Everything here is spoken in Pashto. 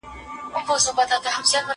زه پرون سبا ته فکر کوم؟